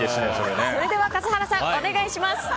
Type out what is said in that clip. それでは笠原さんお願いします。